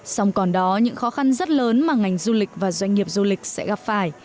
song còn đó những khó khăn rất lớn mà ngành du lịch và doanh nghiệp du lịch sẽ gặp phải